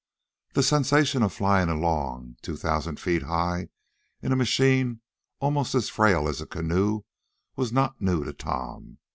The sensation of flying along, two thousand feet high, in a machine almost as frail as a canoe, was not new to Tom.